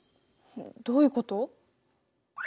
どういうこと？